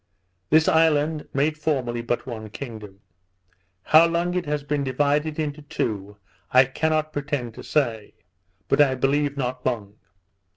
This island made formerly but one kingdom; how long it has been divided into two, I cannot pretend to say; but I believe not long.